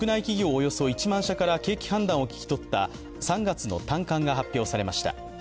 およそ１万社から景気判断を聞き取った３月の短観が発表されました。